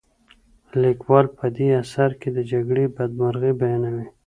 لیکوال په دې اثر کې د جګړې بدمرغۍ بیانوي.